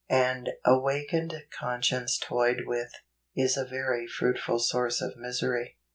An awakened conscience toyed with, is a very fruitful source of miseiy.